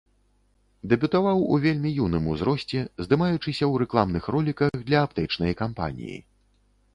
Дэбютаваў у вельмі юным узросце, здымаючыся ў рэкламных роліках для аптэчнай кампаніі.